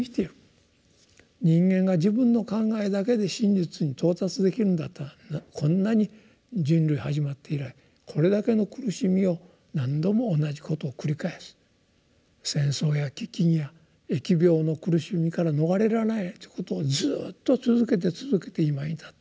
人間が自分の考えだけで真実に到達できるんだったらこんなに人類始まって以来これだけの苦しみを何度も同じことを繰り返す戦争や飢きんや疫病の苦しみから逃れられないということをずっと続けて続けて今に至ってる。